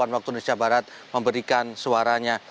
delapan waktu indonesia barat memberikan suaranya